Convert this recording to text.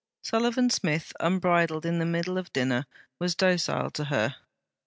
Sullivan Smith, unbridled in the middle of dinner, was docile to her.